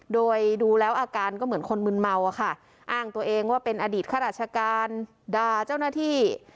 โดยดูแล้วอาการก็เหมือนคนมึนเมาอะค่ะอ้างตัวเองว่าเป็นอดีตข้าราชการด่าเจ้าหน้าที่